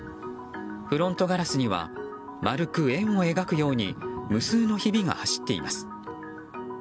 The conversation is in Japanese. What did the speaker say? フロントガラスには丸く円を描くように無数のひびが走っています。